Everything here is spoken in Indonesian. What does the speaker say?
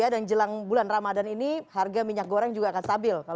dan jelang bulan ramadhan ini harga minyak goreng juga akan stabil